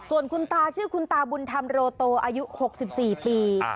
ส่วนคุณตาชื่อคุณตาบุญธรรมโรโตอายุ๖๔ปี